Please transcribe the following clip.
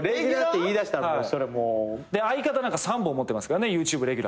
相方なんか３本持ってますからねＹｏｕＴｕｂｅレギュラー。